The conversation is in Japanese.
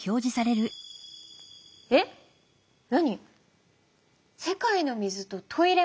えっ何？